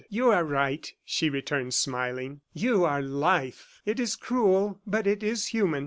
"You are right," she returned smiling. "You are Life. It is cruel but it is human.